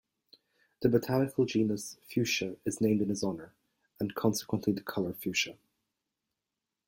The botanical genus "Fuchsia" is named in his honour, and consequently the colour fuchsia.